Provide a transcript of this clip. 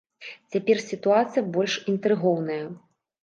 Цяпер сітуацыя больш інтрыгоўная.